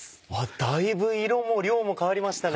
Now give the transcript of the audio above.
だいぶ色も量も変わりましたね。